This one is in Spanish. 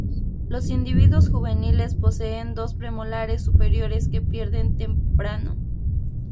Los individuos juveniles poseen dos premolares superiores que pierden temprano.